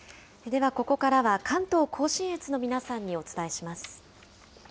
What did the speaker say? ではここからは関東甲信越の皆さんにお伝えします。